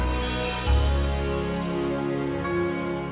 ibu seminggu ke sampai dua kali saja